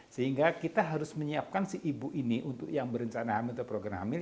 sehingga kita harus menyiapkan si ibu ini untuk yang berencana hamil atau program hamil